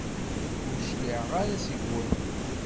Ur cliɛeɣ ara seg-wen.